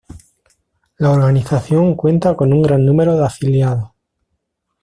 La organización cuenta con un gran número de afiliados.